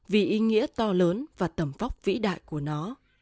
vì ý nghĩa to lớn và tầm vóc vĩ đại của nó